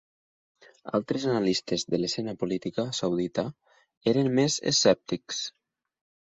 Altres analistes de l'escena política saudita eren més escèptics.